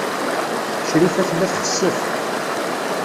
Crifa tella txessef.